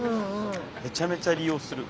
めちゃめちゃ利用する。